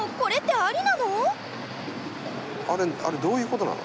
あれどういうことなの？